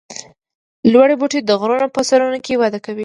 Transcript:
لوړ بوټي د غرونو په سرونو کې وده کوي